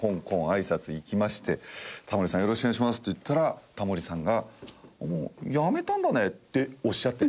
あいさつ行きまして「タモリさんよろしくお願いします」って言ったらタモリさんが「辞めたんだね」っておっしゃってくださった。